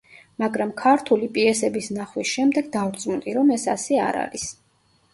მაგრამ ქართული პიესების ნახვის შემდეგ დავრწმუნდი, რომ ეს ასე არ არის.